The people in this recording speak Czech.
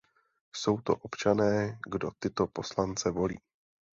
Jsou to občané, kdo tyto poslance volí.